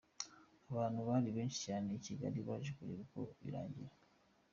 Abantu bari benshi cyane i Kigali baje kureba uko birangira.